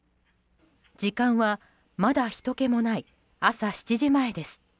時間は、まだひとけもない朝７時前です。